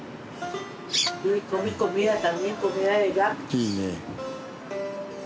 いいねえ。